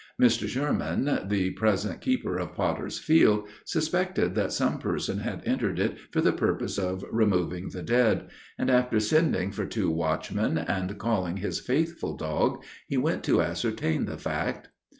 Mr. Schureman, the present keeper of Potter's Field, suspected that some person had entered it for the purpose of removing the dead; and, after sending for two watchmen, and calling his faithful dog, he went to ascertain the fact.